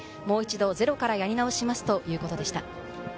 全部、今日からやり直しますということでした。